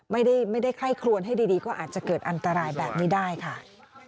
ไม่ได้ไคร่คลวนให้ดีก็อาจจะเกิดอันตรายแบบนี้ได้ค่ะ